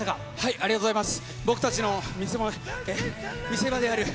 ありがとうございます。